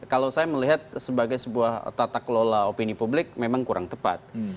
kalau saya melihat sebagai sebuah tata kelola opini publik memang kurang tepat